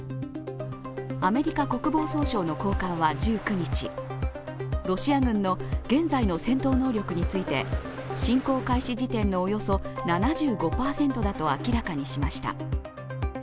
アメリカ国防総省の高官は１９日ロシア軍の現在の戦闘能力について侵攻開始時点のおよそ７５％だと明らかにしました。